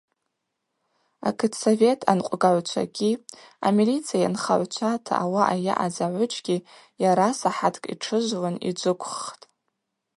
Акытсовет анкъвгагӏвчвагьи амилица йанхагӏвчвата ауаъа йаъаз агӏвыджьгьи, йара сахӏаткӏ йтшыжвлын, йджвыквххтӏ.